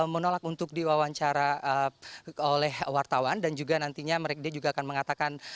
menolak untuk diwawancara oleh wartawan dan juga nantinya dia juga akan mengatakan